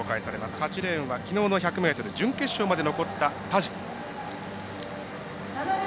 ８レーン、きのうの１００ｍ準決勝まで残った、田路。